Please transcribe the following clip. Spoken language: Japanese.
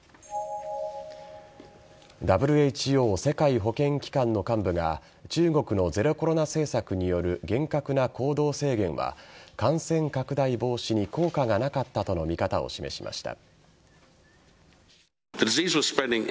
ＷＨＯ＝世界保健機関の幹部が中国のゼロコロナ政策による厳格な行動制限は感染拡大防止に効果がなかったとの見方を示しました。